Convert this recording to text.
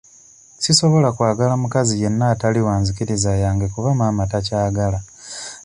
Sisobola kwagala mukazi yenna atali wa nzikiriza yange kuba maama takyagala.